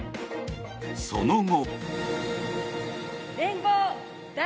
その後。